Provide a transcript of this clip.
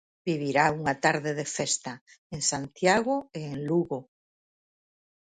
Vivirá unha tarde de festa, en Santiago e en Lugo.